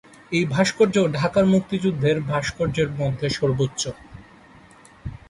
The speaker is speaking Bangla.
এ ভাস্কর্য ঢাকার মুক্তিযুদ্ধের ভাস্কর্যের মধ্যে সর্বোচ্চ।